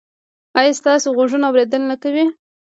ایا ستاسو غوږونه اوریدل نه کوي؟